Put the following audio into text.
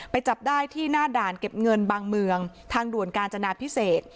จับได้ที่หน้าด่านเก็บเงินบางเมืองทางด่วนกาญจนาพิเศษ